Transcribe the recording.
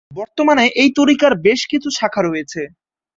বর্তমানে এই তরিকার বেশ কিছু শাখা রয়েছে।